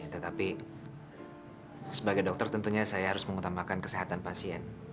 tetapi sebagai dokter tentunya saya harus mengutamakan kesehatan pasien